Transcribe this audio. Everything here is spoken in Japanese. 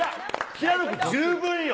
平野君、十分よ。